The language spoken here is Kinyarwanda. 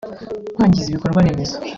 kwangiza ibikorwa remezo